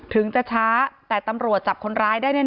ถึงจะช้าแต่ตำรวจจับคนร้ายได้แน่